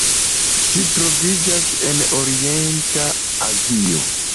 Ĝi troviĝas en Orienta Azio.